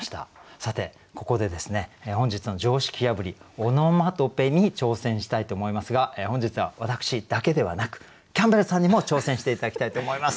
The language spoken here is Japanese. さてここで本日の常識破りオノマトペに挑戦したいと思いますが本日は私だけではなくキャンベルさんにも挑戦して頂きたいと思います。